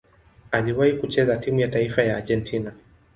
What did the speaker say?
Aliwahi kucheza timu ya taifa ya Argentina.